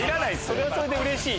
それはそれでうれしい。